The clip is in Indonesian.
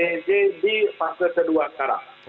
eg di fase kedua sekarang